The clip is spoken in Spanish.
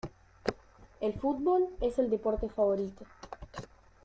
El fútbol es el deporte favorito.